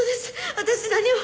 私何も。